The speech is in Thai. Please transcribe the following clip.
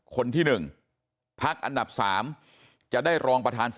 คนที่หนึ่ง